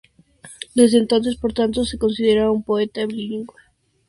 Desde entonces, por tanto, se considera un poeta bilingüe.